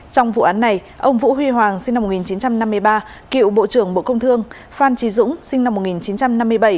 trong vụ án này ông vũ huy hoàng sinh năm một nghìn chín trăm năm mươi ba cựu bộ trưởng bộ công thương phan trí dũng sinh năm một nghìn chín trăm năm mươi bảy